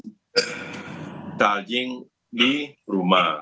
dan sebenarnya hampir sembilan puluh pemakai kendaraan listrik melakukan charging di rumah